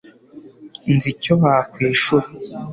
nzi icyo bakwishura